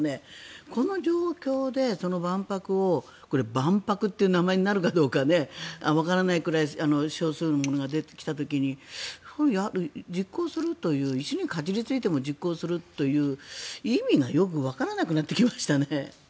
この状況で万博を万博って名前になるかどうかわからないくらい少数のものが出てきた時に実行するという石にかじりついても実行するという意味がよくわからなくなってきましたね。